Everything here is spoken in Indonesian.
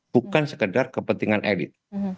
bukan sekedar kepentingan elit